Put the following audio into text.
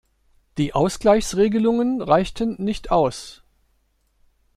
Die Ausgleichsregelungen reichten nicht aus.